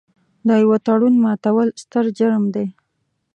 د یوه تړون ماتول ستر جرم دی.